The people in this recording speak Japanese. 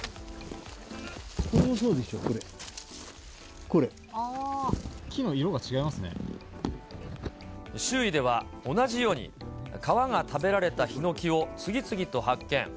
これもそうでしょ、これ、あー、周囲では同じように、皮が食べられたヒノキを次々と発見。